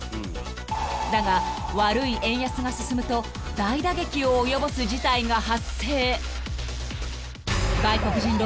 ［だが悪い円安が進むと大打撃を及ぼす事態が発生］